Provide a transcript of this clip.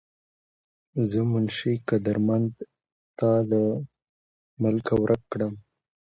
زۀ منشي قدرمند تا لۀ ملکه ورک کړم